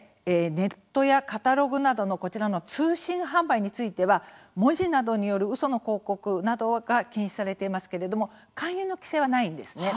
ネットやカタログなどのこちらの通信販売については文字などによるうその広告などが禁止されていますけれども勧誘の規制はないんですね。